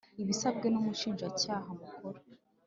ibisabwe n Umushinjacyaha Mukuru